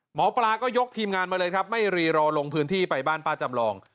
หมอปลาก็ยกทีมงานมาเลยครับไม่รีรอลงพื้นที่ไปบ้านป้าจำลอง